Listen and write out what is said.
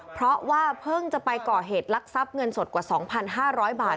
เพราะว่าเพิ่งจะไปก่อเหตุลักษัพเงินสดกว่า๒๕๐๐บาท